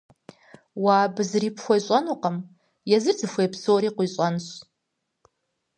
Уэ абы зыри пхуещӏэнукъым, езыр зыхуей псори къуищӏэнщ.